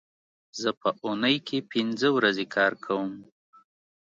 زه په اونۍ کې پینځه ورځې کار کوم